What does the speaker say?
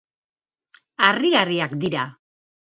Harrigarriak dira.